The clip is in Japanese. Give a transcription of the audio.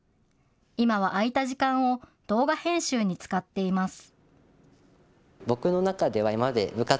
今は空いた時間を動画編集に使っています。